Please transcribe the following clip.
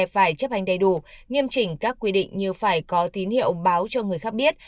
phải chấp hành đầy đủ nghiêm chỉnh các quy định như phải có tín hiệu báo cho người khác biết